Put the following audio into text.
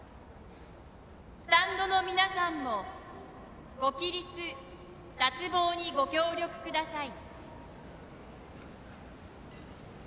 スタンドの皆さんもご起立、脱帽にご協力ください。